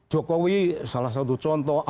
jokowi salah satu contoh